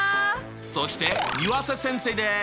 そして湯浅先生です！